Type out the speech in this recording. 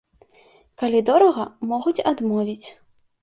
Калі дорага, могуць адмовіць.